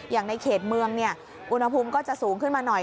อย่างในเขตเมืองอุณหภูมิก็จะสูงขึ้นมาหน่อย